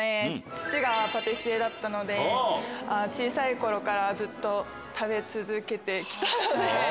父がパティシエだったので小さい頃からずっと食べ続けて来たので。